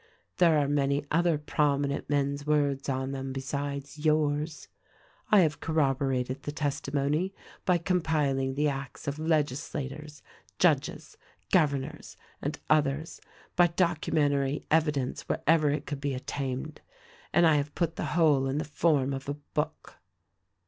There are many other prominent men's words on them besides yours. I have corroborated the testimony by compiling the acts of legislators, judges, gov ernors and others, by documentary evidence wherever it could be obtained, and I have put the whole in the form of a book.